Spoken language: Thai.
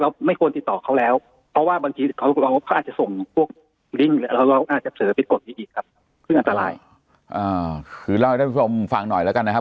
คือเล่าให้ท่านผู้ชมฟังหน่อยแล้วกันนะครับ